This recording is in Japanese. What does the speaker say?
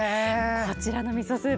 こちらのみそスープ